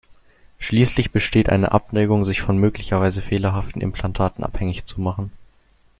Schließlich besteht eine Abneigung, sich von möglicherweise fehlerhaften Implantaten abhängig zu machen.